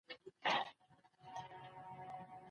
دواړه بايد د اصلاح کولو پوره کوښښ وکړي.